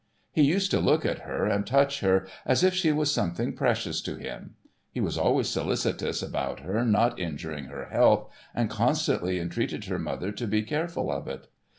He used to look at her and touch her, as if she was something precious to him. He was always solicitous about her not injuring her health, and constantly entreated her mother to be careful of it.